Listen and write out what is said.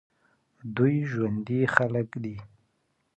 دوی ژوندي خلک دي.